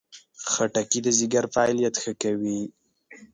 خټکی د ځیګر فعالیت ښه کوي.